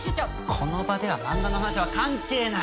この場ではマンガの話は関係ない！